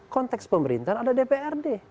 konteks pemerintah ada dprd